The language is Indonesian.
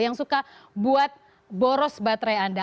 yang suka buat boros baterai anda